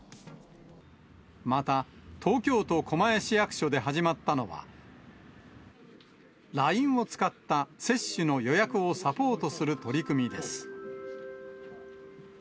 また、東京都狛江市役所で始まったのは、ＬＩＮＥを使った接種の予約をサポートする取り組みです。